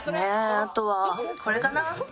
あとはこれかな。